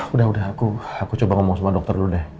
udah udah aku aku coba ngomong sama dokter dulu deh